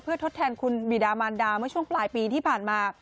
ทดแทนคุณบีดามานดาเมื่อช่วงปลายปีที่ผ่านมา